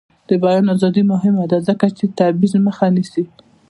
د بیان ازادي مهمه ده ځکه چې د تبعیض مخه نیسي.